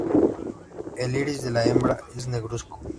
El iris de la hembra es negruzco.